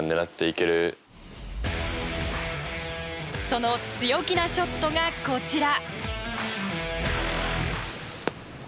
その強気なショットがこちら。